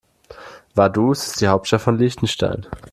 Vaduz ist die Hauptstadt von Liechtenstein.